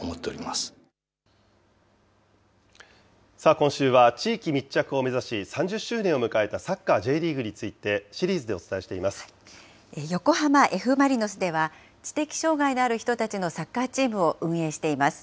今週は地域密着を目指し、３０周年を迎えたサッカーＪリーグについて、シリーズでお伝えし横浜Ｆ・マリノスでは知的障害のある人たちのサッカーチームを運営しています。